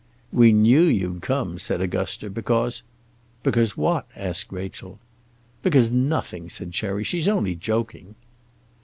"We knew you'd come," said Augusta, "because " "Because what?" asked Rachel. "Because nothing," said Cherry. "She's only joking."